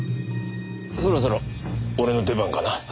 そろそろ俺の出番かな？